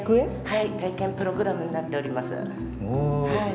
はい、体験プログラムになっております。